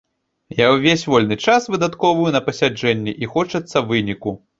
Я ўвесь вольны час выдаткоўваю на пасяджэнні, і хочацца выніку.